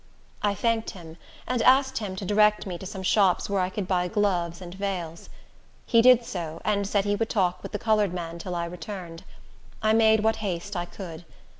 I thanked him, and asked him to direct me to some shops where I could buy gloves and veils. He did so, and said he would talk with the colored man till I returned. I made what haste I could.